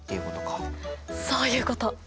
そういうこと！